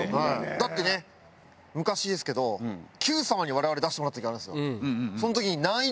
だってね昔ですけど『Ｑさま！！』に我々出してもらった時あるんですよ。